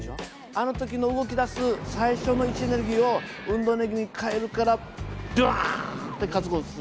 あの時の動き出す最初の位置エネルギーを運動エネルギーに変えるからどわって加速をする。